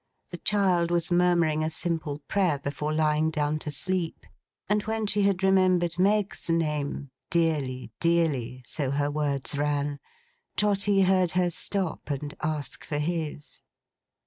The child was murmuring a simple Prayer before lying down to sleep; and when she had remembered Meg's name, 'Dearly, Dearly'—so her words ran—Trotty heard her stop and ask for his.